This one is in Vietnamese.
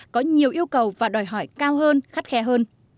có nhiều yêu cầu và đòi hỏi cao hơn khắt khe hơn